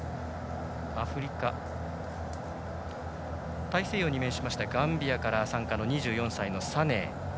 アフリカ、大西洋に面しましたガンビアから参加の２４歳のサネー。